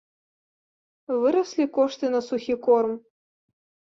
Выраслі кошты на сухі корм.